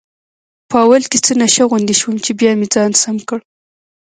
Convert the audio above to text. په اول کې څه نشه غوندې شوی وم، چې بیا مې ځان سم کړ.